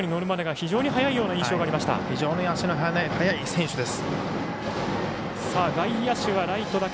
非常に足の速い選手です。